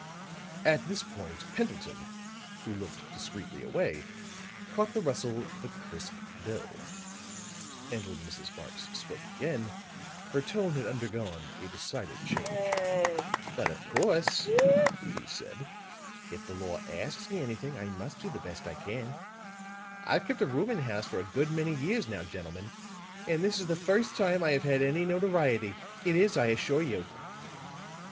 At this point, Pendleton, who looked discreetly away, caught the rustle of a crisp bill; and when Mrs. Marx spoke again, her tone had undergone a decided change. "But of course," she said, "if the law asks me anything, I must do the best I can. I've kept a rooming house for a good many years now, gentlemen, and this is the first time I have had any notoriety. It is, I assure you."